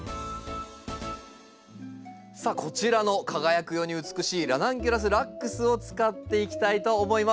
さあこちらの輝くように美しいラナンキュラスラックスを使っていきたいと思います。